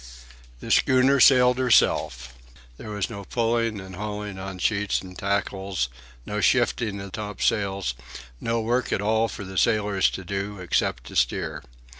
The schooner sailed herself. There was no pulling and hauling on sheets and tackles, no shifting of topsails, no work at all for the sailors to do except to steer.